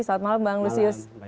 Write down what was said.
selamat malam bang lusius